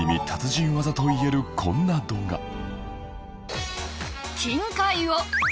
達人技といえるこんな動画